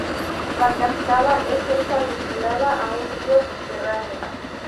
La cascada es está vinculada a un río subterráneo.